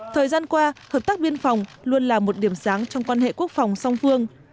thời gian qua hợp tác biên phòng luôn là một điểm sáng trong quan hệ quốc phòng song phương